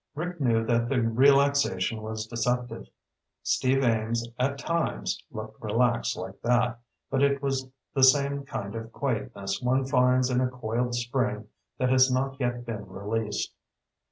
Rick knew that the relaxation was deceptive. Steve Ames at times looked relaxed like that, but it was the same kind of quietness one finds in a coiled spring that has not yet been released.